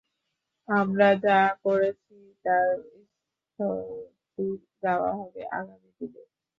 আমরা যা করেছি তার স্তুতি গাওয়া হবে আগামী দিনে।